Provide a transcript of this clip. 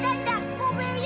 ごめんよ